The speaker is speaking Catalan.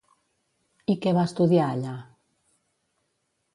I què va estudiar allà?